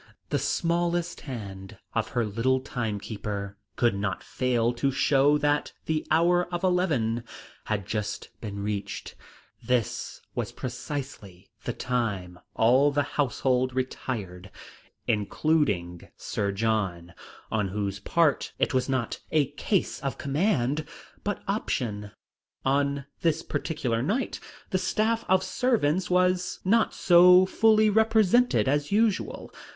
The smallest hand of her little timekeeper could not fail to show that the hour of eleven had just been reached; this was precisely the time all the household retired, including Sir John, on whose part it was not a case of command, but option. On this particular night the staff of servants was not so fully represented as usual.